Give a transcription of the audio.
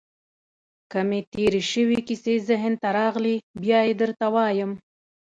که مې تېرې شوې کیسې ذهن ته راغلې، بیا يې درته وایم.